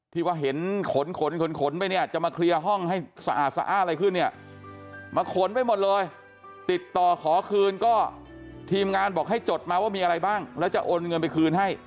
ที่ว่าเห็นขนขนขนไปเนี่ยจะมาเคลียร์ห้องให้สะอาดสะอ้าอะไรขึ้นเนี่ยมาขนไปหมดเลยติดต่อขอคืนก็ทีมงานบอกให้จดมาว่ามีอะไรบ้างแล้วจะโอนเงินไปคืนให้